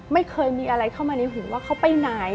ไม่เคยมีอะไรเข้ามาในหูว่าเขาไปไหน